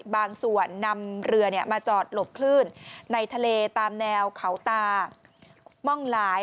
บางส่วนนำเรือมาจอดหลบคลื่นในทะเลตามแนวเขาตาม่องหลาย